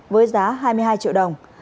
với giá hai mươi hai triệu đồng